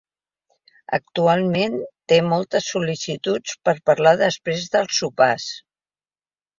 Actualment té moltes sol·licituds per parlar després dels sopars.